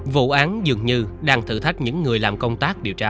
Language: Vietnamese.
vụ án dường như đang thử thách những người làm công tác điều tra